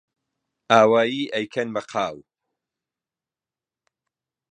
ئاوایی ئەیکەن بە قاو